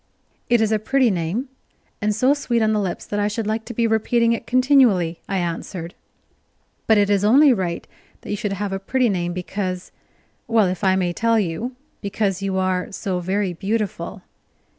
"It is a pretty name, and so sweet on the lips that I should like to be repeating it continually," I answered. "But it is only right that you should have a pretty name, because well, if I may tell you, because you are so very beautiful."